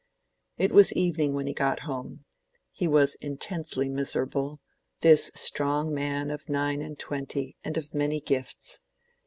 It was evening when he got home. He was intensely miserable, this strong man of nine and twenty and of many gifts.